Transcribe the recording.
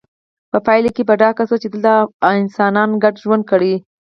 په پایله کې په ډاګه شوه چې دلته انسانانو ګډ ژوند کړی